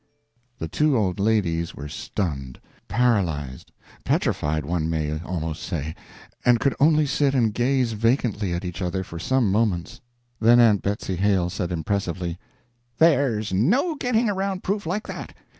The two old ladies were stunned, paralyzed petrified, one may almost say and could only sit and gaze vacantly at each other for some moments; then Aunt Betsy Hale said impressively: "There's no getting around proof like that.